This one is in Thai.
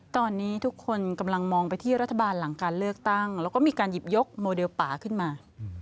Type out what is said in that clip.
ตอนนี้ทุกคนกำลังมองไปที่รัฐบาลหลังการเลือกตั้งแล้วก็มีการหยิบยกโมเดลป่าขึ้นมา